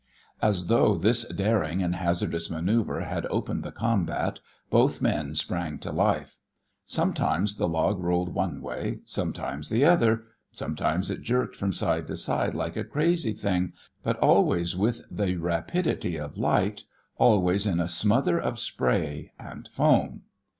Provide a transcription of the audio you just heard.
As though this daring and hazardous manoeuvre had opened the combat, both men sprang to life. Sometimes the log rolled one way, sometimes the other, sometimes it jerked from side to side like a crazy thing, but always with the rapidity of light, always in a smother of spray and foam.